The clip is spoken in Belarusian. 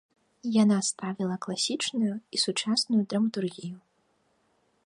Яна ставіла класічную і сучасную драматургію.